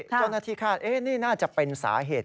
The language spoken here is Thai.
เจ้าหน้าที่คาดนี่น่าจะเป็นสาเหตุ